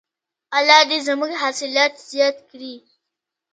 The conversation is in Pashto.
الله دې زموږ حاصلات زیات کړي.